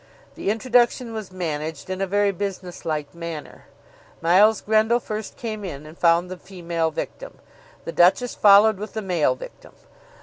The introduction was managed in a very business like manner. Miles Grendall first came in and found the female victim; the Duchess followed with the male victim.